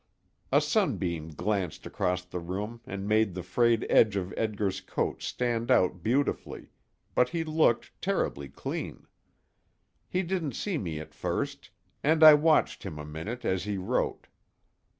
A sunbeam glanced across the room, and made the frayed edge of Edgar's coat stand out beautifully, but he looked terribly clean. He didn't see me at first, and I watched him a minute as he wrote.